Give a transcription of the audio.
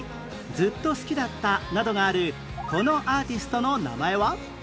『ずっと好きだった』などがあるこのアーティストの名前は？